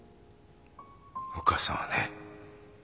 お母さんはね